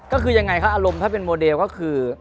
ก็คือยังไงคะอารมณ์ถ้าเป็นโมเดลก็คือ